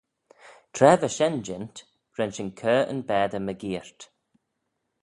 Tra va shen jeant ren shin cur yn baatey mygeayrt.